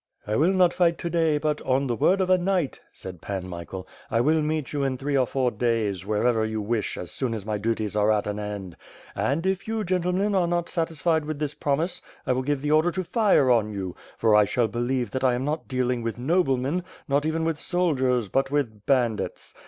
"I will not fight to day; but, on the word of a knight," said Pan Michael, "I will meet you in three or four days, wherever you wish, as soon as my duties are at an end. And if you, gentlemen, are not satisfied with this promise, I will give the order to fire on you; for I shall believe that I am not dealing with noblemen — not even with soldiers, but with bandits.